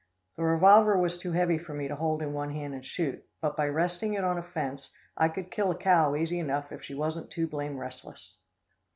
The revolver was too heavy for me to hold in one hand and shoot, but by resting it on a fence I could kill a cow easy enough if she wasn't too blamed restless.